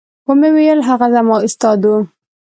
ومې ويل هغه زما استاد و.